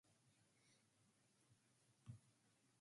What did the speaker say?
Carr is also a member of the ReFormers Caucus of Issue One.